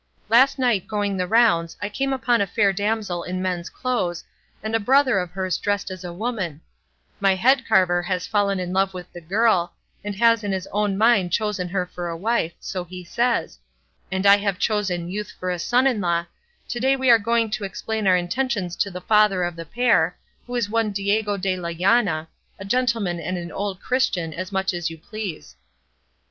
Last night going the rounds I came upon a fair damsel in man's clothes, and a brother of hers dressed as a woman; my head carver has fallen in love with the girl, and has in his own mind chosen her for a wife, so he says, and I have chosen youth for a son in law; to day we are going to explain our intentions to the father of the pair, who is one Diego de la Llana, a gentleman and an old Christian as much as you please.